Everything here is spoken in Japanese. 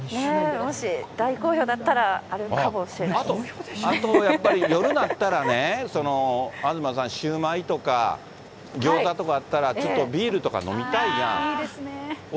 もし大好評だったら、あと、やっぱり夜になったら東さん、シューマイとかギョーザとかあったら、ちょっとビールとか飲みたいいですね。